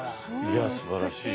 いやすばらしい。